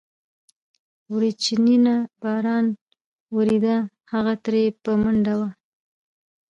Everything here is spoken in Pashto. وريچينه باران وريده، هغه ترې په منډه وه.